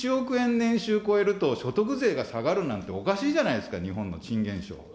年収超えると、所得税が下がるなんておかしいじゃないですか、日本の珍現象。